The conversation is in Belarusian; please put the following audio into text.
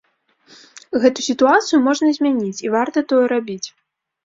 Гэту сітуацыю можна змяніць, і варта тое рабіць.